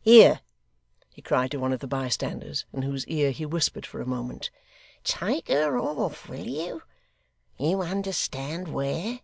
Here,' he cried to one of the bystanders, in whose ear he whispered for a moment: 'Take her off, will you. You understand where?